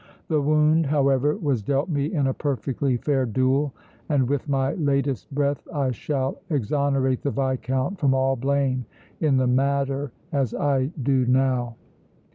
The wound, however, was dealt me in a perfectly fair duel and with my latest breath I shall exonerate the Viscount from all blame in the matter as I do now!"